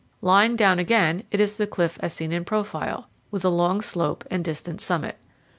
Lying down again, it is the cliff as seen in profile, with a long slope and distant summit.